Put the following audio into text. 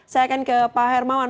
saya akan ke pak hermawan